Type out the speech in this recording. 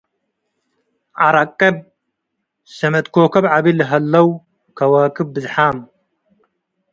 ዐረቅብ፤ ስምጥ ኮከብ ዐቢ ለሀለው ከዋክብ ብዝሓም ።